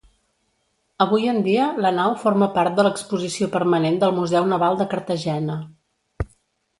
Avui en dia la nau forma part de l'exposició permanent del Museu Naval de Cartagena.